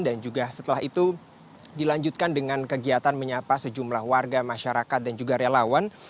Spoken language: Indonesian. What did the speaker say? dan juga setelah itu dilanjutkan dengan kegiatan menyapa sejumlah warga masyarakat dan juga relawan